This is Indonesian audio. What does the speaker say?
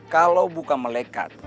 kalau bukan melekat